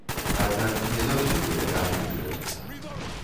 Аднак, не заўсёды гэта атрымліваецца.